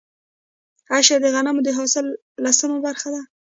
عشر د غنمو د حاصل لسمه برخه ده.